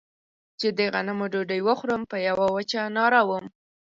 چې د غنمو ډوډۍ وخورم په يوه وچه ناره يم.